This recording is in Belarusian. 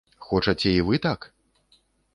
Хочаце і вы так?